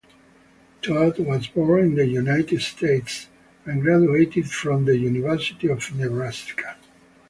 Todd was born in the United States, and graduated from the University of Nebraska.